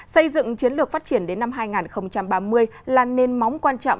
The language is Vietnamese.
xây dựng chiến lược phát triển đến năm hai nghìn ba mươi là nền móng quan trọng